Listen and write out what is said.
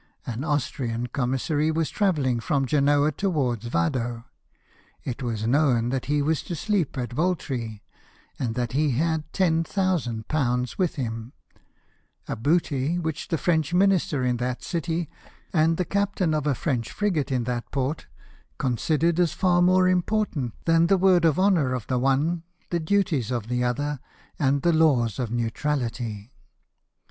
An Austrian commissary was travel ling from Genoa towards Yado; it was known that he was to sleep at Voltri, and that he had £10,000. with him — a ^oot}'' which the French Minister in that city, and the captain of a French frigate in that port, considered as far more important than the word of honour of the one, the duties of the other, and the laws of neutrahty.